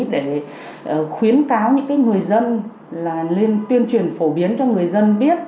để khuyến cáo những người dân là nên tuyên truyền phổ biến cho người dân biết